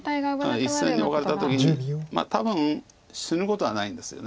１線にオカれた時に多分死ぬことはないんですよね。